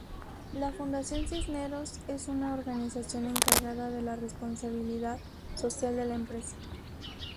La Fundación Cisneros es una organización encargada de la responsabilidad social de la empresa.